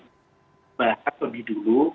dibahas lebih dulu